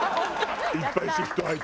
いっぱいシフト入ってて。